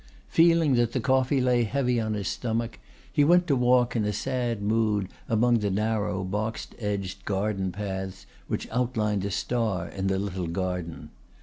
Feeling that the coffee lay heavy on his stomach, he went to walk in a sad mood among the narrow, box edged garden paths which outlined a star in the little garden.